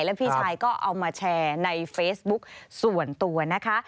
แล้วพี่ชายก็เอามาแชร์ในเฟซบุ๊กส่วนตัวนะคะ